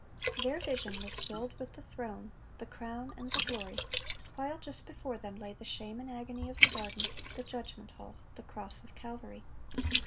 (579) Their vision was filled with the throne, the crown, and the glory, while just before them lay the shame and agony of the garden, the judgment hall, the cross of Calvary.